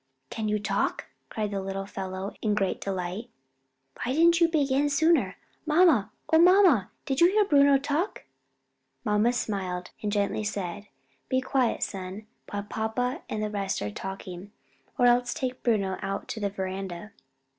can you talk?" cried the little fellow in great delight. "Why didn't you begin sooner? Mamma, oh mamma, did you hear Bruno talk?" Mamma smiled, and said gently, "Be quiet, son, while papa and the rest are talking: or else take Bruno out to the veranda."